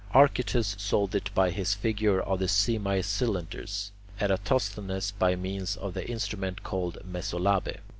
Archytas solved it by his figure of the semi cylinders; Eratosthenes, by means of the instrument called the mesolabe.